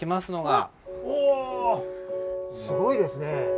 おすごいですね！